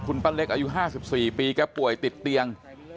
ป้าเล็กอายุ๕๔ปีแกป่วยติดเตียง